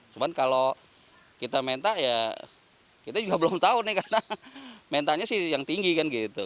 cuman kalau kita mentah ya kita juga belum tahu nih karena mentalnya sih yang tinggi kan gitu